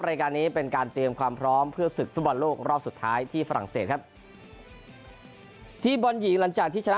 รายการนี้เป็นการเตรียมความพร้อมเพื่อศึกฟุตบอลโลกรอบสุดท้ายที่ฝรั่งเศสครับทีมบอลหญิงหลังจากที่ชนะ